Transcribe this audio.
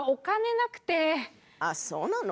あっそうなの？